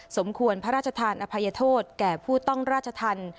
สมควรพระราชทานอภัยโทษแก่ผู้ต้องราชธรรม